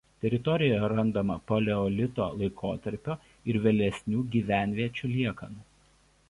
Teritorijoje randama paleolito laikotarpio ir vėlesnių gyvenviečių liekanų.